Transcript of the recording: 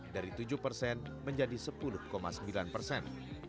dari tujuh persen menjadi sepuluh sembilan persen